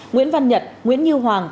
nguyễn văn nhật nguyễn như hoàng